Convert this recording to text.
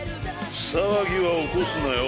騒ぎは起こすなよ